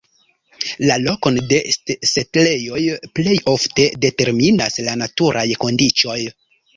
La lokon de setlejoj plej ofte determinas la naturaj kondiĉoj.